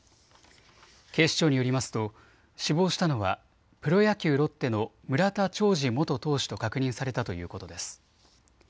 警視庁によりますと死亡したのはプロ野球、ロッテの村田兆治元投手と確認されたということです。